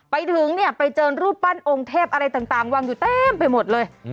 ไปถึงเนี่ยไปเจอรูปปั้นองค์เทพอะไรต่างวางอยู่เต็มไปหมดเลย